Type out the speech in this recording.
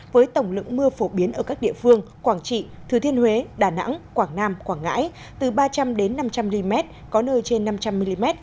với tổng lượng mưa phổ biến ở các địa phương quảng trị thừa thiên huế đà nẵng quảng nam quảng ngãi từ ba trăm linh năm trăm linh mm có nơi trên năm trăm linh mm